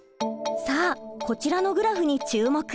さあこちらのグラフに注目。